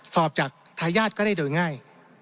สอบจากทายาทก็ได้โดยง่าย